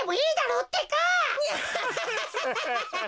アハハハハ。